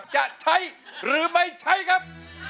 จะใช้หรือไม่ใช้ครับ